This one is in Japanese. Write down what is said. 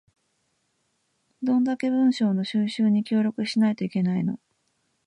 どんだけ文書の収集に協力しないといけないの